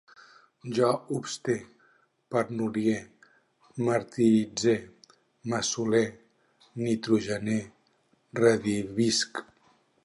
Jo obste, pernolie, martiritze, maçole, nitrogene, redhibisc